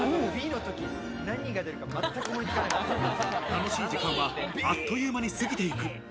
楽しい時間はあっという間に過ぎていく。